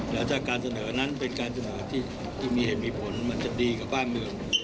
แล้วถ้าการเสนอนั้นเป็นการเสนอที่มีเหตุมีผลมันจะดีกับบ้านเมือง